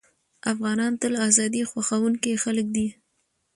افغانان تل ازادي خوښوونکي خلک دي.